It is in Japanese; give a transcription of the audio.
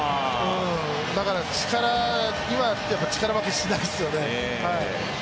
だから、力には力負けしないですよね。